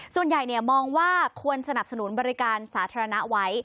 ส่วนใหญ่มองว่าควรสนับสนุนบริการสาธารณะไว้